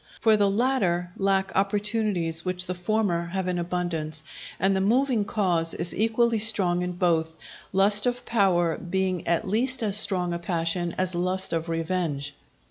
For the latter lack opportunities which the former have in abundance; and the moving cause is equally strong in both, lust of power being at least as strong a passion as lust of revenge.